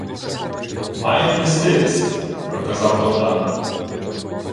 — Мають меститися, — проказав Богдан.